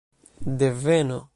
deveno